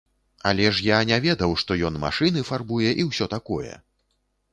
Але ж я не ведаў, што ён машыны фарбуе і ўсё такое!